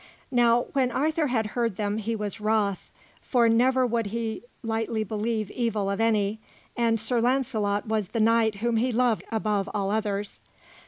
Now when Arthur had heard them, he was wroth; for never would he lightly believe evil of any, and Sir Launcelot was the knight whom he loved above all others.